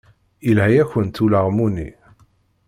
Yelha-yakent ulaɣmu-nni.